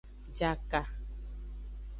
Jaka.